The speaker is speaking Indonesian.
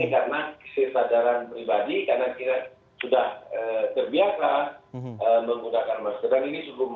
dan ini sudah membantu untuk pengendalian lagi